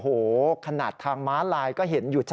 โอ้โหขนาดทางม้าลายก็เห็นอยู่ชัด